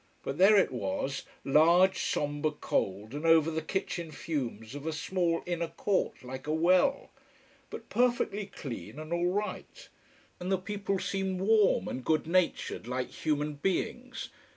But there it was, large, sombre, cold, and over the kitchen fumes of a small inner court like a well. But perfectly clean and all right. And the people seemed warm and good natured, like human beings.